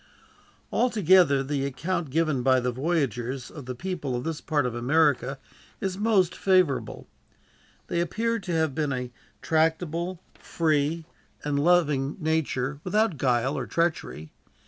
Altogether, the account given by the voyagers of the people of this part of America is most favorable They appear to have been of a tractable, free, and loving nature, without guile or treachery.